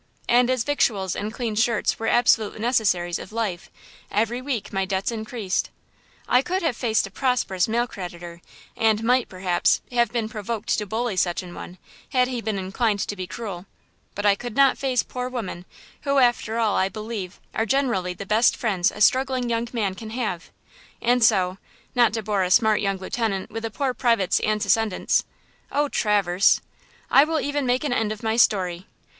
And as victuals and clean shirts were absolute necessaries of life, every week my debts increased. I could have faced a prosperous male creditor, and might, perhaps, have been provoked to bully such an one, had he been inclined to be cruel; but I could not face poor women who, after all, I believe, are generally the best friends a struggling young man can have; and so, not to bore a smart young lieutenant with a poor private's antecedents–" "Oh, Traverse–" "–I will even make an end of my story.